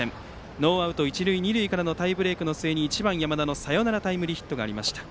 ノーアウト一塁二塁からのタイブレークの末に１番、山田のサヨナラタイムリーヒット。